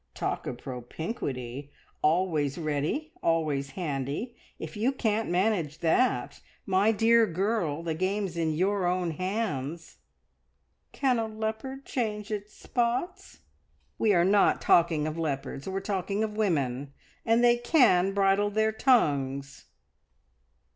Talk of propinquity! Always ready, always handy, if you can't manage that! My dear girl, the game's in your own hands." "Can a leopard change its spots?" "We're not talking of leopards; we're talking of women and they can bridle their tongues!"